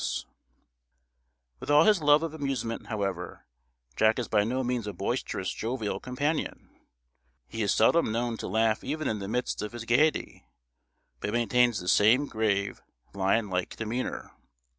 ] [Illustration: In at the Death] With all his love of amusement, however, Jack is by no means a boisterous jovial companion. He is seldom known to laugh even in the midst of his gaiety; but maintains the same grave, lion like demeanour.